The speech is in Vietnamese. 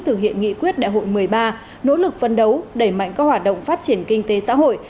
thực hiện nghị quyết đại hội một mươi ba nỗ lực phân đấu đẩy mạnh các hoạt động phát triển kinh tế xã hội